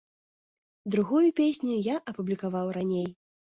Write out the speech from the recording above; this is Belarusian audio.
Другую песню я апублікаваў раней.